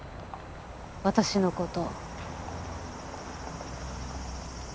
私のこと。